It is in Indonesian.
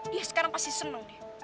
dia sekarang pasti seneng deh